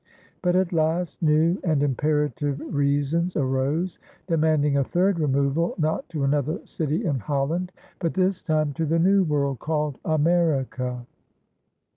But at last new and imperative reasons arose, demanding a third removal, not to another city in Holland, but this time to the New World called America.